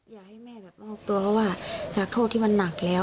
อยากให้แม่แบบมอบตัวเพราะว่าจากโทษที่มันหนักแล้ว